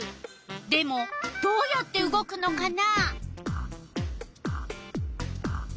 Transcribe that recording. でもどうやって動くのかな？